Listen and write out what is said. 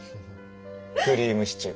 クリームシチュー。